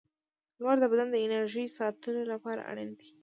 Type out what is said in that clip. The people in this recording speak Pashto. • لمر د بدن د انرژۍ ساتلو لپاره اړین دی.